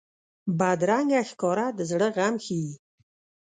بدرنګه ښکاره د زړه غم ښيي